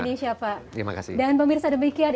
terima kasih mbak diana terima kasih dan pemirsa demikian